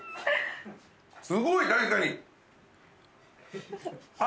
すごい確かに。